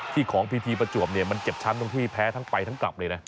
ของพีทีประจวบเนี่ยมันเจ็บช้ำตรงที่แพ้ทั้งไปทั้งกลับเลยนะ